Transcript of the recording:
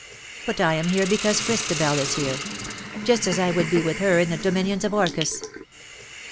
But I am here because Christabel is here — just as I would be with her in the dominions of Orcus.